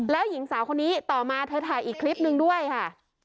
แล้วหญิงสาวคนนี้ต่อมาเธอถ่ายอีกคลิปนึงด้วยค่ะ